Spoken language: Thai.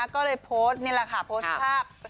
ก็เลยโพสต์นี่แหละค่ะโพสต์ภาพ